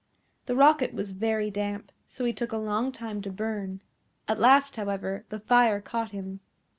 The Rocket was very damp, so he took a long time to burn. At last, however, the fire caught him.